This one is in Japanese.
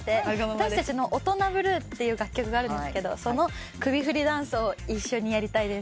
私たちの『オトナブルー』って楽曲があるんですけどその首振りダンスを一緒にやりたいです。